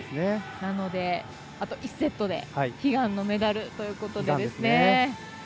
なので、あと１セットで悲願のメダルということで。